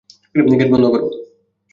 Gate বন্ধ কর।